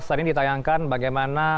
sering ditayangkan bagaimana